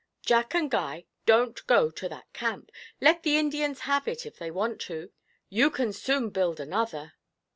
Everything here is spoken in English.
Jack and Guy, don't go to that camp. Let the Indians have it, if they want to; you can soon build another.'